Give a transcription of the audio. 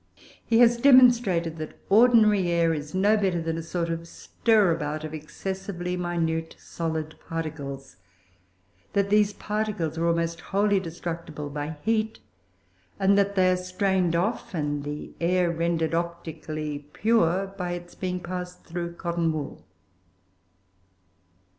He has demonstrated that ordinary air is no better than a sort of stirabout of excessively minute solid particles; that these particles are almost wholly destructible by heat; and that they are strained off, and the air rendered optically pure, by its being passed through cotton wool.